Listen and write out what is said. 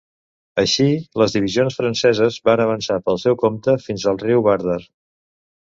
Així, les divisions franceses van avançar pel seu compte fins al riu Vardar.